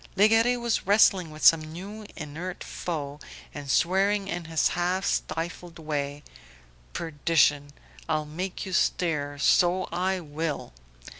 Legare was wrestling with some new inert foe, and swearing in his half stifled way: "Perdition! I'll make you stir, so I will."